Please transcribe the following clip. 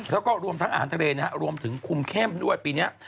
แล้วก็รวมทั้งอาหารทะเลรวมถึงคุมแค่มนวดปีนี้